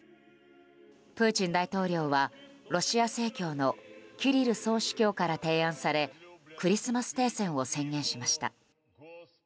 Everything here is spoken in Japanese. プーチン大統領はロシア正教のキリル総主教から提案され、クリスマス停戦を宣言しました。